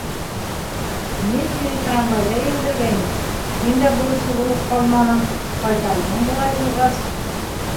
- Мин һине трамвайҙа елдергәйнем, һин дә бурыслы булып ҡалманың, ҡайтарҙың былай булғас.